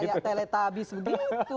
main kayak teletabis begitu